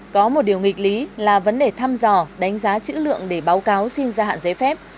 có một điều nghịch lý là vấn đề thăm dò đánh giá chữ lượng để báo cáo xin gia hạn giấy phép